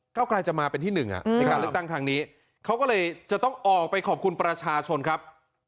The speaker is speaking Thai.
กลายจะมาเป็นที่หนึ่งในการเลือกตั้งครั้งนี้เขาก็เลยจะต้องออกไปขอบคุณประชาชนครับ